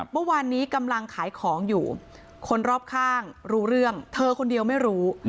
เมื่อวานนี้กำลังขายของอยู่คนรอบข้างรู้เรื่องเธอคนเดียวไม่รู้